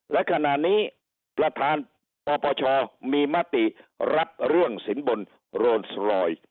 และขณะนี้ประธานปปชมีมติรับเรื่องสินบนโรนสลอย